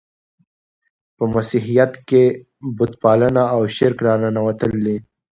په مسیحیت کښي بت پالنه او شرک راننوتل دي.